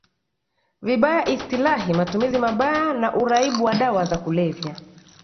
vibaya Istilahi matumizi mabaya na uraibu wa dawa za kulevya